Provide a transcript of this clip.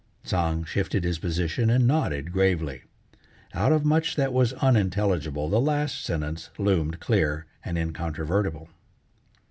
Tsang shifted his position and nodded gravely. Out of much that was unintelligible, the last statement loomed clear and incontrovertible.